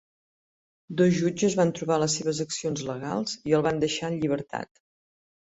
Dos jutges van trobar les seves accions legals i el van deixar en llibertat.